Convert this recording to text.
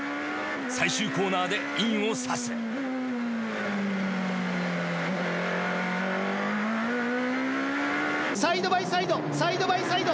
最終コーナーでインをさすサイドバイサイド！